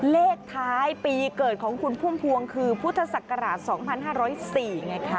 เลขท้ายปีเกิดของคุณพุ่มพวงคือพุทธศักราช๒๕๐๔ไงคะ